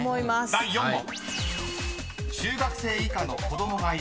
［第４問］